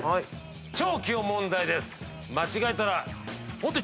超基本問題です。